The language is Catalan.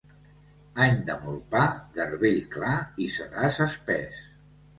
Any de molt pa, garbell clar i sedàs espès.